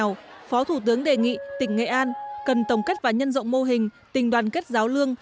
trong đó phó thủ tướng đề nghị tỉnh nghệ an cần tổng kết và nhân rộng mô hình tình đoàn kết giáo lương